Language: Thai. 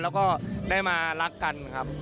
แล้วก็ได้มารักกันครับ